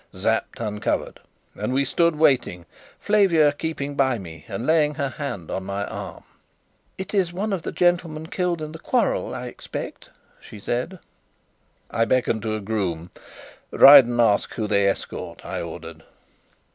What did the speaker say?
Sapt uncovered, and we stood waiting, Flavia keeping by me and laying her hand on my arm. "It is one of the gentlemen killed in the quarrel, I expect," she said. I beckoned to a groom. "Ride and ask whom they escort," I ordered.